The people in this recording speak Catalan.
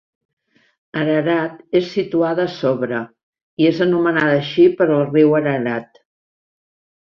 Ararat és situada sobre, i és anomenada així per, el riu Ararat.